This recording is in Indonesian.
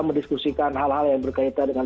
mendiskusikan hal hal yang berkaitan dengan